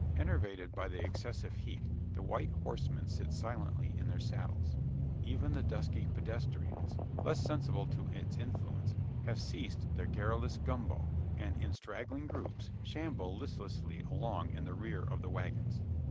Enervated by the excessive heat, the white horsemen sit silently in their saddles. Even the dusky pedestrians, less sensible to its influence, have ceased their garrulous "gumbo;" and, in straggling groups, shamble listlessly along in the rear of the waggons.